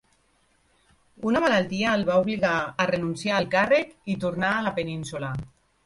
Una malaltia el va obligar a renunciar al càrrec i tornà a la Península.